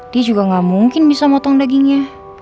dia juga gak mungkin bisa motong dagingnya